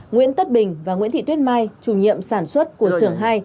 nguyễn tất bình và nguyễn thị tuyết mai chủ nhiệm sản xuất của sưởng hai